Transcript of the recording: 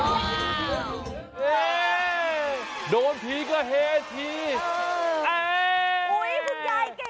อุ๊ยคุณยายเก่งมากเลย